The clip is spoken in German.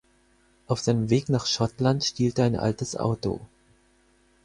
Auf seinem Weg nach Schottland stiehlt er ein altes Auto.